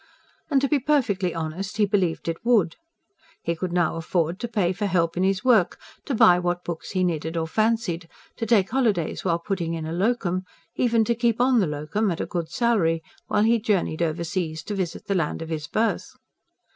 And to be perfectly honest, he believed it would. He could now afford to pay for help in his work; to buy what books he needed or fancied; to take holidays while putting in a LOCUM; even to keep on the LOCUM, at a good salary, while he journeyed overseas to visit the land of his birth.